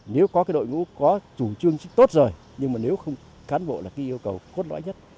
nếu có cái đội ngũ có chủ trương tốt rồi nhưng mà nếu không cán bộ là cái yêu cầu cốt lõi nhất